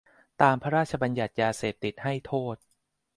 ตามพระราชบัญญัติยาเสพติดให้โทษ